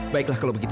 baiklah kalau begitu